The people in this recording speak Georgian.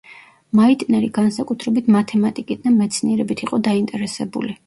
მაიტნერი განსაკუთრებით მათემატიკით და მეცნიერებით იყო დაინტერესებული.